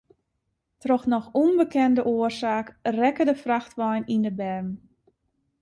Troch noch ûnbekende oarsaak rekke de frachtwein yn de berm.